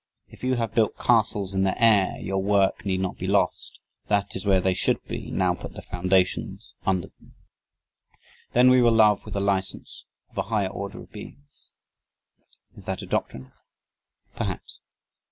If you have built castles in the air your work need not be lost; that is where they should be, now put the foundations under them." ... "Then we will love with the license of a higher order of beings." Is that a doctrine? Perhaps.